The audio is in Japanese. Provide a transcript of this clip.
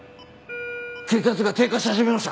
血圧が低下し始めました！